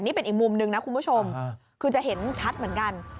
นี่เป็นอีกมุมหนึ่งนะคุณผู้ชมคือจะเห็นชัดเหมือนกัน